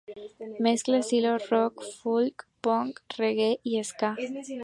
Mezcla estilos rock, folk, punk, reggae y ska.